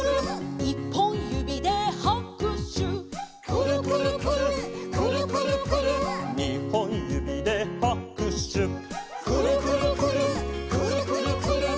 「にほんゆびではくしゅ」「くるくるくるっくるくるくるっ」「さんぼんゆびではくしゅ」「くるくるくるっくるくるくるっ」